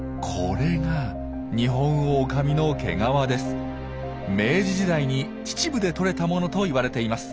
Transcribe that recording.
これが明治時代に秩父でとれた物といわれています。